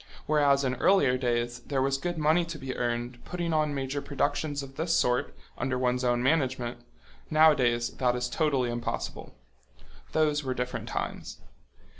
Whereas in earlier days there was good money to be earned putting on major productions of this sort under one's own management, nowadays that is totally impossible. Those were different times.